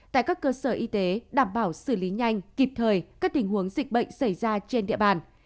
tại các cơ sở y tế đảm bảo xử lý nhanh kịp thời các tình huống dịch bệnh xảy ra trên địa bàn